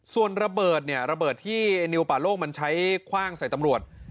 ส่วนระเบิดเนี่ยระเบิดที่ไอ้นิวป่าโลกมันใช้คว่างใส่ตำรวจ